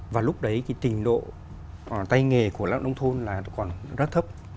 và lúc đấy cái trình độ tay nghề của lao động nông thôn là còn rất thấp